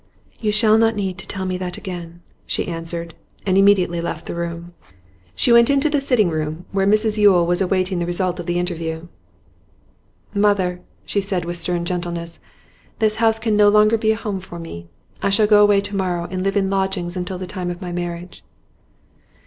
'You shall not need to tell me that again,' she answered, and immediately left him. She went into the sitting room, where Mrs Yule was awaiting the result of the interview. 'Mother,' she said, with stern gentleness, 'this house can no longer be a home for me. I shall go away to morrow, and live in lodgings until the time of my marriage.